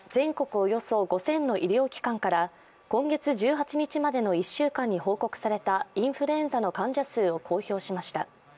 およそ５０００の医療機関から今月１８日までの１週間に報告されたインフルエンザの患者数を公表しました。